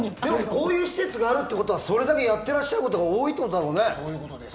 こういう施設があるということはそれだけやっていらっしゃる方が多いということだもんね。